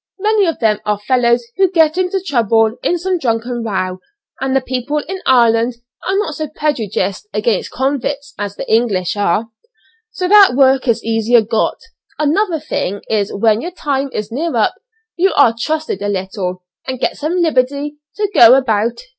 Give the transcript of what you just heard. Many of them are fellows who got into trouble in some drunken row, and the people in Ireland are not so prejudiced against convicts as the English are, so that work is easier got; another thing is when your time is near up you are trusted a little, and get some liberty to go about.